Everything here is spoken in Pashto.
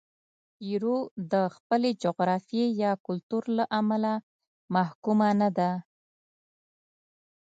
پیرو د خپلې جغرافیې یا کلتور له امله محکومه نه ده.